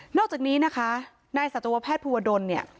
อกจากนี้นะคะนายสัตวแพทย์ภูวดลเนี่ย